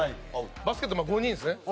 バスケット、５人ですね。